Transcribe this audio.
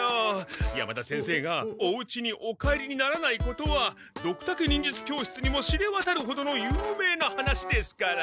山田先生がおうちにお帰りにならないことはドクタケ忍術教室にも知れわたるほどの有名な話ですから。